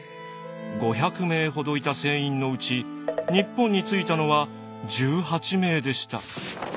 ５００名ほどいた船員のうち日本に着いたのは１８名でした。